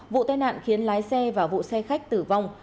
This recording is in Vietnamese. vụ tai nạn khiến lái xe và vụ xe khách tử vong